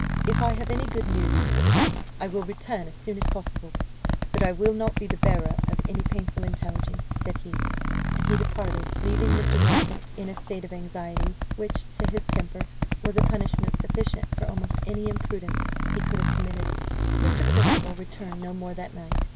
"If I have any good news for you, I will return as soon as possible; but I will not be the bearer of any painful intelligence," said he; and he departed, leaving Mr. Vincent in a state of anxiety, which, to his temper, was a punishment sufficient for almost any imprudence he could have committed. Mr. Percival returned no more that night.